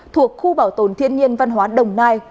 thuộc khu bảo tồn thiên nhiên văn hóa đồng nai